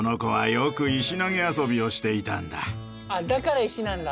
だから石なんだ。